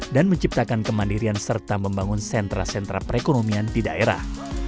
dan menciptakan kemandirian serta membangun sentra sentra perekonomian di daerah